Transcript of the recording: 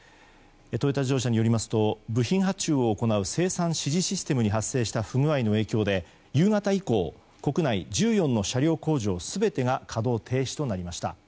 トヨタ自動車によりますと部品発注を行う生産指示システムに発生した不具合の影響で夕方以降国内１４の車両工場全てが稼働停止となりました。